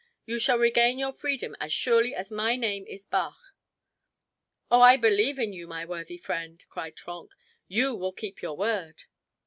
"You shall regain your freedom as surely as my name is Bach." "Oh, I believe in you, my worthy friend," cried Trenck; "you will keep your word."